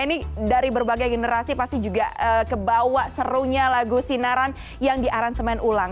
ini dari berbagai generasi pasti juga kebawa serunya lagu sinaran yang di aransemen ulang